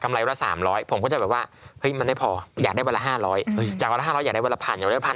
ได้คืนเขาตอนไหน